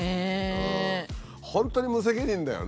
本当に無責任だよね。